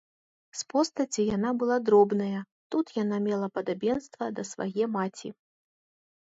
З постаці яна была дробная, тут яна мела падабенства да свае маці.